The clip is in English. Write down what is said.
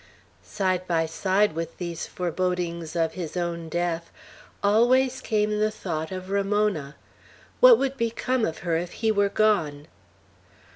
Side by side with these forebodings of his own death, always came the thought of Ramona. What would become of her, if he were gone?